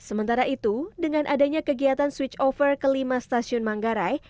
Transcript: sementara itu dengan adanya kegiatan switchover kelima stasiun manggarai